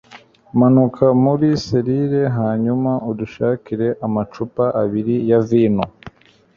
manuka muri selire hanyuma udushakire amacupa abiri ya vino